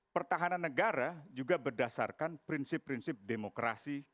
pertahanan negara juga berdasarkan prinsip prinsip demokrasi